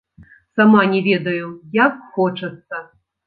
Сама не ведаю, як хочацца!